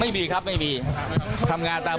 ไม่ใช่แอบเป็นกรสนวนครับ